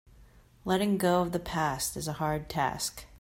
Letting go of the past is a hard task.